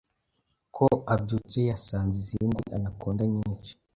ko abyutse yasanze izindi anakonda nyinshi